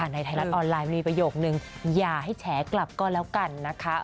ในไทยรัฐออนไลน์มีประโยคนึงอย่าให้แฉกลับก็แล้วกันนะคะ